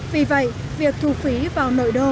vì vậy việc thù phí vào nội đô